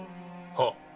はっ。